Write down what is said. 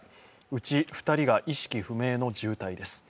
うち２人が意識不明の重体です。